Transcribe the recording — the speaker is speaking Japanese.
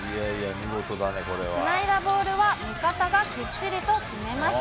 つないだボールは、味方がきっちりと決めました。